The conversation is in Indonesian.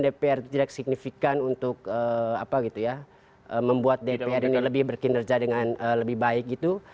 dpr tidak signifikan untuk apa gitu ya membuat dpr ini lebih berkinerja dengan lebih baik gitu